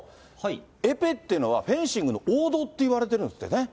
エペというのは、フェンシングの王道っていわれてるんですってね。